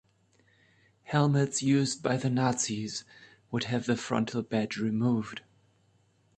Helmets used by the Nazis would have the frontal badge removed.